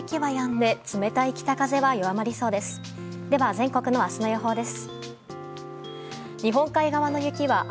では、全国の明日の予報です。